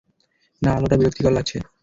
না, আলোটা বিরক্তিকর লাগছে।